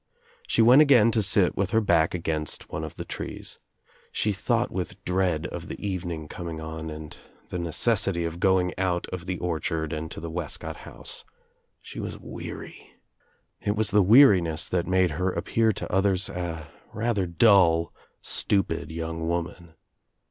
She went again to sit with her back against one of the trees. She thought with dread of the evening coming on and the necessity of going out of the orchard and to the Wescott house. She was weary. It was the weariness that made her appear to others a rather dull stupid young women.